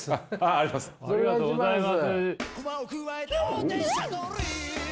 ありがとうございます。